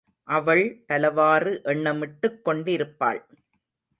அவள் பலவாறு எண்ணமிட்டுக் கொண்டிருப்பாள்.